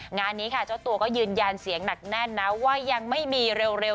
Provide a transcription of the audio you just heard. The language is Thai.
งานนี้ค่ะเจ้าตัวก็ยืนยันเสียงหนักแน่นนะว่ายังไม่มีเร็ว